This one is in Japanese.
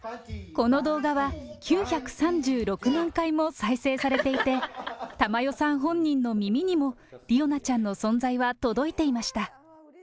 この動画は９３６万回も再生されていて、珠代さん本人の耳にも理央奈ちゃんの存在は届いていました。